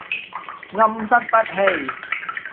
暗室不欺